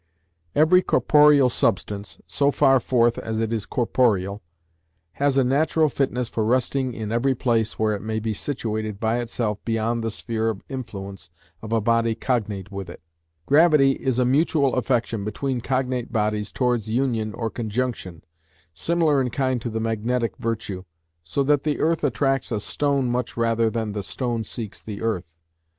"Every corporeal substance, so far forth as it is corporeal, has a natural fitness for resting in every place where it may be situated by itself beyond the sphere of influence of a body cognate with it. Gravity is a mutual affection between cognate bodies towards union or conjunction (similar in kind to the magnetic virtue), so that the earth attracts a stone much rather than the stone seeks the earth.